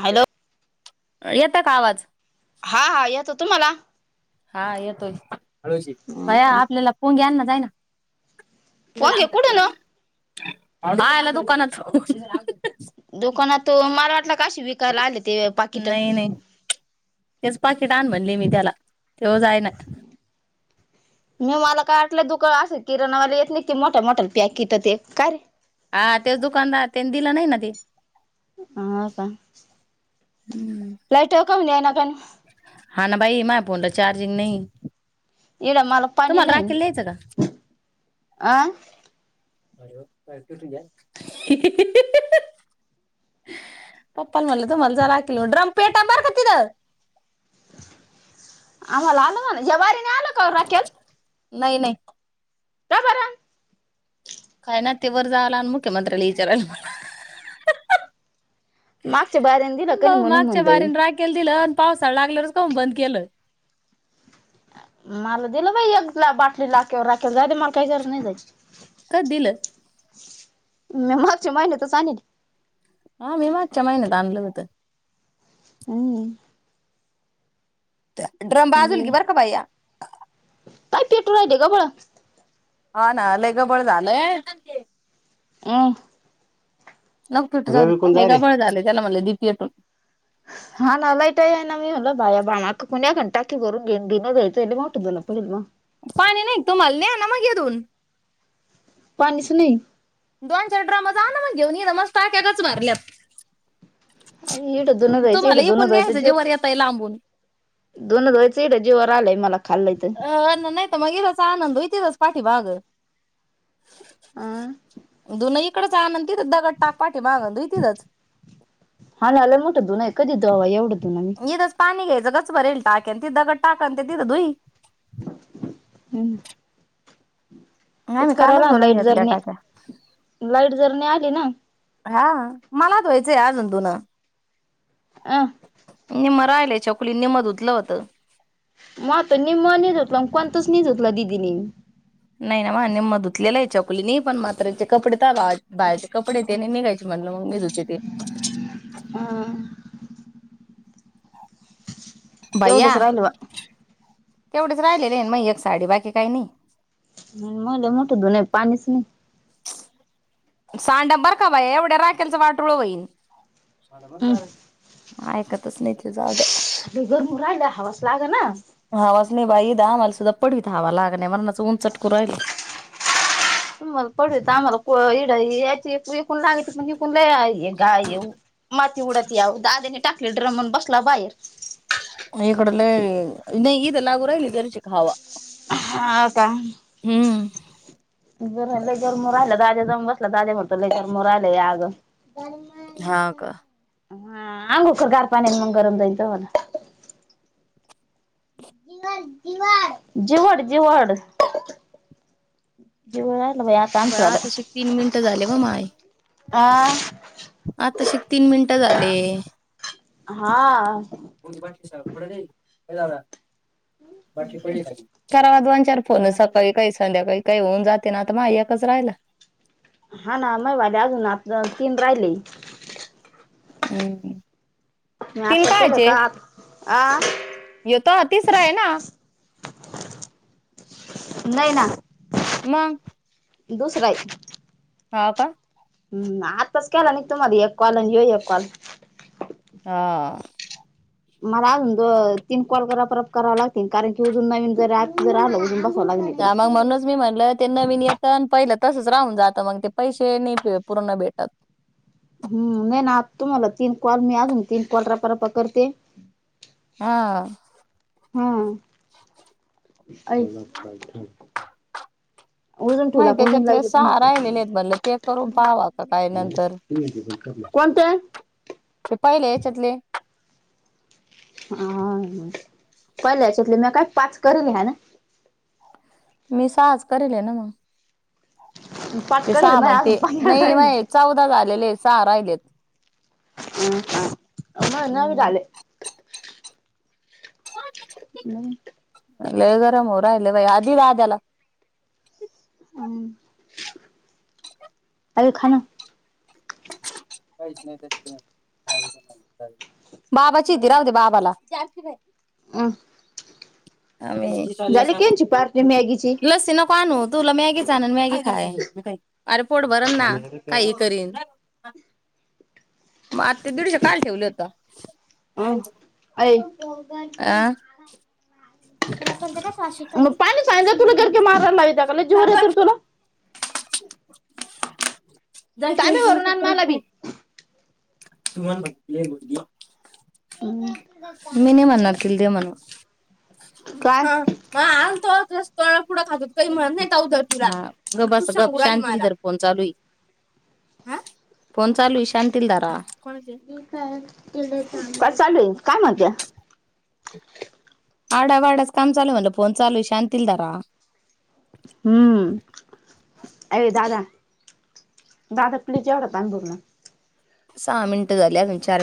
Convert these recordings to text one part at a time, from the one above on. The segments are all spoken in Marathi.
हॅलो येता का आवाज हा हा येतो तुम्हाला हा येतोय [unintelligible] भया का आपल्याला पोंग्या आना जायना फोन घे कुठे ना [unintelligible] ह आला दुकानात [unintelligible] काशी विकायला आलेते पाकिट कीट आन म्हणले मी त्याला त्यो जायना ला दुकाळ अस किरणावाले येत नाहीत की मोठ्या मोठ्या प्याकिट ते का रे हा तेच दुकानदार त्यांनी दिल नाही ना ते ह का लाईटेक का नाय ना गण हा ना बाई माय फोनला चार्जिंग नाही इड मला तुम्हाला राखेल न्यायचं का आं [inaudible] पप्पा म्हणलं तुमाला जरा आकल ड्रमपेट बर का तिथं आम्हाला आल ना जवारीने आल का रॉकेल नाही- नाही का बंर काय ना तेवर जाला आणि मुख्यमंत्र्याला विचारला मागच्या बारयान दिल होत म्हणून म्हल मी पावसाळ लागल्यावरच काूहुन बंद केलय मला दिलं बाई एक दा बाटली लाकेर राखेला जाऊ दे बाई मला काही गरज नाही जायची कध दिलं मग मागच्या माहिनतच आणल हा मी मागच्या महिन्यात आणलं होत अहं त्या ड्रम बाजूल घे बरं बर का भाईया पीठ राहुदेग बाळा हा ना लईगबळ झालंय अं ढग फुट झाली रवी कोण जाय लई रे आभाळ झालेय ऑनलाईन [inaudible] हा ना लाईटा येईना मी म्हंटल बाया बा मा कुण्यांकड टाकी भरून घेऊन दिं जायचं मोठं बला पडेल म पाणी नाही तुम्हाला नेहा ना मग येधून पाणीस नाई दोन चार ड्रमा जा ना मग घेऊन इथ मस् टाक्या गच भरल्यात. आ इट धुन धुयचंय तुम्हाला इथं इकून न्यायचं धुयचंय जेवर येताय लांबून. धुण धुयचय सेढ जीवावर आलाय मला खाल्लंय तर अ ना नाहीतर मग इथ आणून द्या इथच पा ती बाग अं दोनहीं इकडच आणन तिथं दगड टाक पाठीमाग धूई तिथच हा ना लय मोठं धुणं आहे कधी तवा एवढं धुणं मी इथच पाणी घ्यायचं गच्च भरेल टाकेन ते दगड टाकन तिथ धूई हुं तेच आम्ही कराव कालच ना भरून लाईट घेतल्या जरणे टाक्या. लाईट जरणे लीन हा मला धुवायच आजून धून अं निम्म राहिलय छकुलीन निम्म धुतलं होतं. मं आता निम्म नी धूतल कोणतच नी धुतल दिदीनी नाही ना म निम्मं धुतुतलेल आहे छकुलीनी पण म्हातारीचे कपडे ताबा बाहेरचे कपडे तेन निघायचे म्हटलं मग मी धुते ते [inaudible] भैया तेवढंच राहिलं बा तेवढेच राहिलेले मयचं साडी बाकी काही नाही मन म्हंटल मोठं धुणय पाणीच नायी सांडं बर का बया एवढ्या राखेलचं वाटुळ होईन. साडल बर का रे ऐकतच नाय त्यो जाऊ द्या. गरम होऊन राहिलं हवाच लागना दहा माणसाचा पडवीत हवा लागना मरणाचं उन चटकू राहिल. तुम्हाला पडवी तर आम्हाला कुळ इड याची एकूण लागायची मणजी [unintelligible] टी उडतीया दाद्याने टाकले ड्रमन बसला बाहेर तिथं लागु राहिली का घरची हवा हा का हम्म जर लय गर मु राहिला दाद्या जाऊन बस जागेवर तर मोर आलेय आग हा का ह आंघोळ कर गार पाणी मग गरम नाहीच होन जिवड जिवड जव ब आताशी तीन मिनिटं झाले ब माय आह आतशी तीन मिनटं झाले हा पास पुठई का बाकी प वांच्या फोन सकाळी काही संध्याकाळी काही होऊन जाते ना आ मायकच राहिला हा ना म वाले अजून आता तीन राहिले हम्म मी आता केलं का आं य त तिसरा आहे ना नाही ना मग दुसरय हा हा का हम् आताच केला नि तुमला एक कॉल आणि येऊ एक कॉल हा मला अजून ज तीन कॉल करा परराप करावा लागतील कारण की अजून नवीन जर जर आलं अजून बघ हा मग म्हणूनच मी म्हणल ते नविनचं पण पहिलं तसचं राहून जात मग ते पैसे निट अ पूर्ण भेटत हम्म मी ना आता तुम्हाला तीन कॉल मी आजून तीन कॉल रप रपा करते हा आई माहिती आहे त्याच्यातले सहा तुम्हाला फोन. राहिलेले आहेत बरले ते करून पावं का काय नंतर कोणते? ते पहिल्या हेच्यातले हा पहिल्या याच्यातले मी काय पाच करून घ्या ना मी साह च करेल आहे ना मग पाच ते करेल सहा म अजून म्हणंते पंधरा नाही म राहिले. चौदा झाल आपलेले सहा राहिलेत हम्म [unintelligible] [inaudible] लय गरम होऊ राहिल बाई अदी [inaudible] हम् [inaudible] काहीच नाही त्या [inaudible] बाबाचीय ती राह दे बाबाला जा की रे आवी झाली की यांची पार्टी मॅगीची लस्सी नको आणू तूला मॅगी चाचन मॅगी खाय आर पोट भरण ना पाणी आलं प्यायला काही करीन हा मग आत ते दीडशे कायल ठेवलेत अ अय [unintelligible] जाईल की तांबे याच्यावर भरून मी आण करत मला बी नाही. तुम्हाला मी नाही म्हणणार तीला दे म्हण काय हा हा आलतो आग तोळा पुुडा खातोत कही म्हणत नाही का होत तुला गबस काय मांजर फोन चालूय हा फोन चालूय शांत काय चालुय काय म्हणत्या आरडावरडाच काम चालू म्हणलं फोन चालू शांतील धरा हं ए दादा दादा प्लीज एवडा तांब्या भरून सहा मिन्ट झाली अजून चा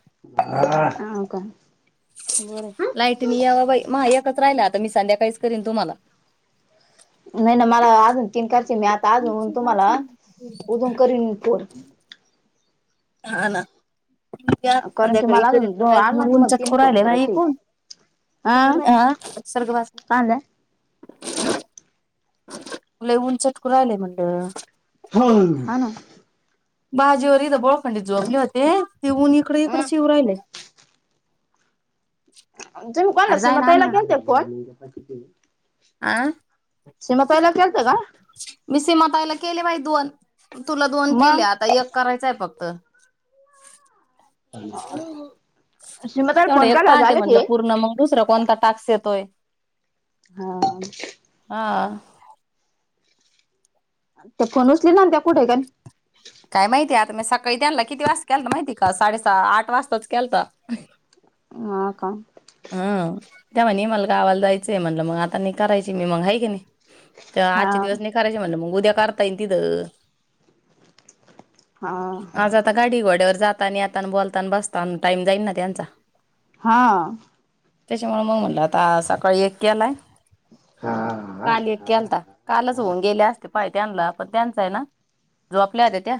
[unintelligible] लाईटनी याव बाई मा एक राहिलय आता मी संध्याकाळीच करेन तुम्हाला. नाही ना मला अजून तीन कार मी आता आजून तुम्हाला उदुन करीन पोर हा ना कारण की संध्याकाळी मला इकड अजून अजून तुम्हाला तीन फोन करायचे आहेत. हा काय म्हणला [inaudible] लय ऊन चटकु राहिलय म्हणलं हा ना बाजीवर इथं बोळखंडीत जोपले होते ते ऊन इकड इकडच हम्म येऊन राहिले. तुम्ही अरे कोणासणी जाय मग ना आण पहिलं ना केलते फोन आं सिमा ताईला केलता का मी सीमाताईला केले बाई दोन तुला दोन मग केल्या आता एक करायचंय फक्त [inaudible] सीमाताईला तेवढं फोन एक केल्यावर पाहते झाले ते म्हटलं पूर्ण मग दुसरं कोणता टाक्स येतोय. हा हा त्या फोन ऊच चिनन त्या कुठे का काय माहिती आता मी सकाळी त्यांनला किती वाज केलंता माहिते का साडेसहा आठ वाजताच केलता. हा का हं त्या म्हणे मला गावाला जायचंय म्हटलं मग आता नाही करायची मी मग आहे की नाही. तर हा आजचे दिवस नि करायचे म्हणलं मग त्या करताईल तिथं हा आज आता गाडी घोड्यावर जात ता आणि आता बोलताण बसतान टाईम जाईन ना त्यांचा हा त्याच्यामुळे मग म्हणलं आता सकाळी एक केलाय काल एक केलता, कालच होऊन गेले असते. पाय त्यांनला पण त्यांचा आहे ना जो आपल्या आल्याता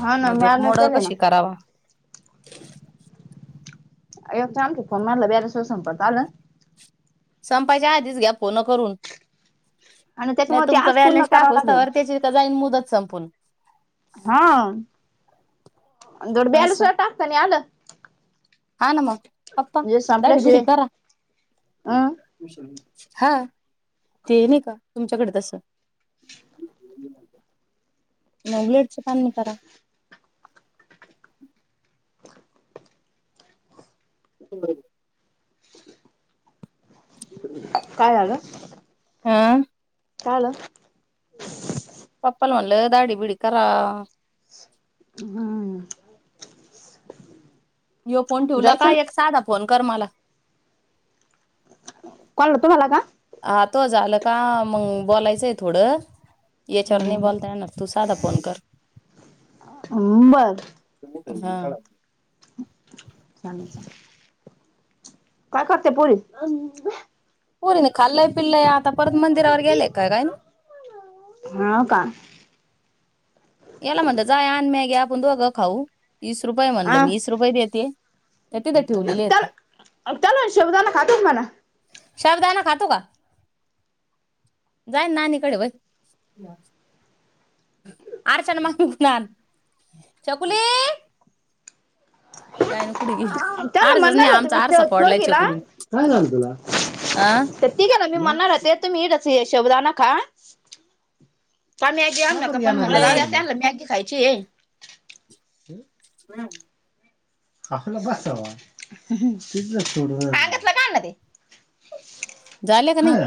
हा ना मी आल्यावर केलं ना कशी करावा याचं आणकी फोन मारलं ब्यालेस संपत आलं. संपायच्या आधीच घ्या फोन करून आणि नाही त्याच्यामुळे ते तुमचा आज पूर्ण बॅलन्स करावं टाकूस लागेल तवर त्याची का जाईन मुदत संपून धड असं बॅलेससुद्धा टाकता नाही आलं. हा ना मग पप्पा म्हणजे दाढी बिडी संपल्याशिवाय करा. अं हा ते नाही का तुमच्याकडे तसं मग ब्लेडचा पाननी करा. [unintelligible] काय झालं? हम्म काय झाल? पप्पाला म्हणलं दाडी बिडी करा. हम्म. ह्यो फोन ठिवला का जायचं एक साधा फोन करमाला [unintelligible] कोणाला तुमाला का? हा तो झालं का मंग बोलायचंय थोडं याचावर नाही हम्म बोलता येणार तुस साधा फोन कर बरं हा चालू चालू काय करते पोरी पोरीने खाल्लं पिल्ल आता परत मंदिरावर गेले काय हा का याला म्हणत जा आन मॅगी आपण दोघं खाऊ वीस रुपये म्हणलं वीस रुपये देते त्या तिथं ठेवलेले आहेत. त्याला त्याला शाबूदाणा खातोस म्हणा शब्दाना खातो का जाई नाणीकडे वई [unintelligible] आरशन माक फुकणार छकुली [unintelligible] गायन कुठे गेली मी आरसाच नाही म्हणणार आमचा होते आरसा फोडलाय दोघीला चकुलीने काय झालं तुला आ मी म्हणणार होते तुम्ही शाबुदाणा खा काम्यानला हे म्हणलं जाऊदे त्यांना मॅगी खायची [unintelligible] हम आपलं बसावा किती सोडले सांगलं का ते [unintelligible] झाले का नाही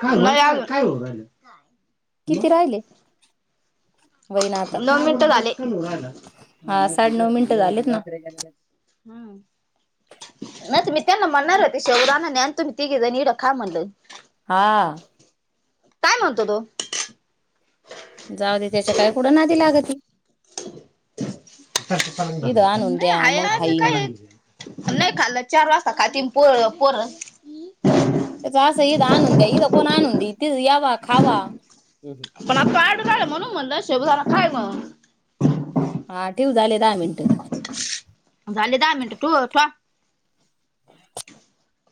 का काय हो किती राहिले [unintelligible] नो मिनट झाले साडे नऊ मिनटं झालेत ना हम् नाही तर मी त्यांना म्हणणार होते शाबुदाना ना तुम्ही तिघे इथ खा म्हणलं हा काय म्हणतो तो जाऊ दे त्याच्या काय कुडं नादी लागती इद आणून द्या मग आय मी खाईन खाईल [unintelligible] चार वाजता खातील पो पोर त्याच असं ईद आणून द्या ईद कोण आणून द्या इथे यावा खावा पण आता आड म्हणून म्हण शेबजला खय म्हण हा ठेव झाले दहा मिनट झाले दहा मिनटं ठू ठुवा